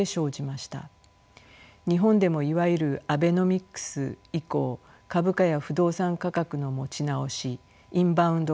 日本でもいわゆるアベノミクス以降株価や不動産価格の持ち直しインバウンド